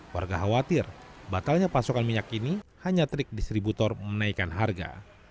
warga khawatir batalnya pasokan minyak ini hanya trik distributor menaikkan harga